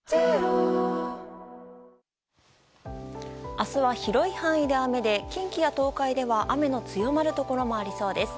明日は広い範囲で雨で近畿や東海では雨の強まるところもありそうです。